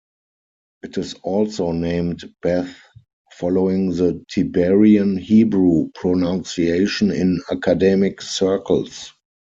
It is also named "beth", following the Tiberian Hebrew pronunciation, in academic circles.